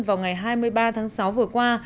vào ngày hai mươi ba tháng sáu vừa qua